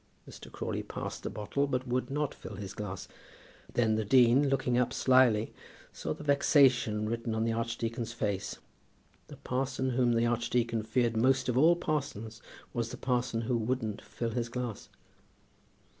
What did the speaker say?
Mr. Crawley passed the bottle, but would not fill his glass. Then the dean, looking up slily, saw the vexation written in the archdeacon's face. The parson whom the archdeacon feared most of all parsons was the parson who wouldn't fill his glass.